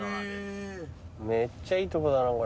めっちゃいいとこだなこれ。